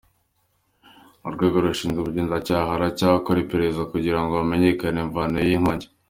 Urwego rushinzwe ubugenzacyaha ruracyakora iperereza kugira ngo hamenyekane imvano y’iyi nkongi.